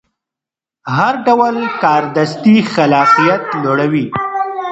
هر ډول کاردستي خلاقیت لوړوي.